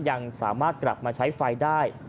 ยังสามารถกลับมาใช้ไฟได้